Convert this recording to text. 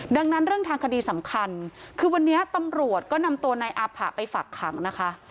ดังนั้นเรื่องทางคดีสำคัญคือวันนี้ตำรวจก็นำตัวนายอาผะไปฝักขังนะคะ